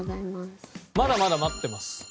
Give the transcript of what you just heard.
まだまだ待ってます。